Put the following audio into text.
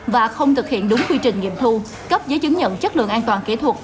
và không thực hiện đúng quy trình nghiệm thu cấp giấy chứng nhận chất lượng an toàn kỹ thuật